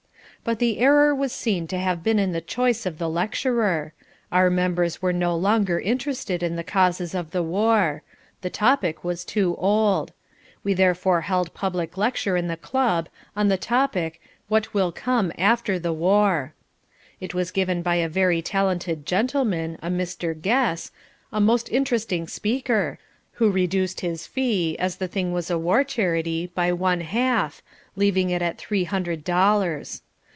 But the error was seen to have been in the choice of the lecturer. Our members were no longer interested in the causes of the war. The topic was too old. We therefore held another public lecture in the club, on the topic What Will Come After the War. It was given by a very talented gentleman, a Mr. Guess, a most interesting speaker, who reduced his fee (as the thing was a war charity) by one half, leaving it at three hundred dollars.